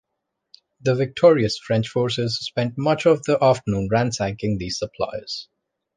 The victorious French forces spent much of the afternoon ransacking these supplies.